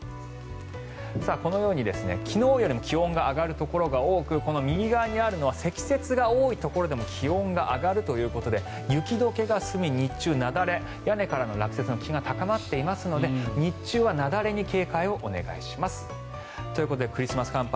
このように昨日よりも気温が上がるところが多くこの右側にあるのは積雪が多いところでも気温が上がるということで雪解けが進み日中、雪崩屋根からの落雪の危険が高まっていますので日中は雪崩に警戒をお願いします。ということでクリスマス寒波